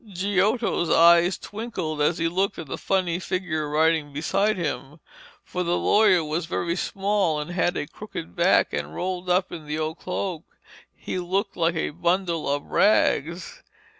Giotto's eyes twinkled as he looked at the funny figure riding beside him, for the lawyer was very small, and had a crooked back, and rolled up in the old cloak he looked like a bundle of rags.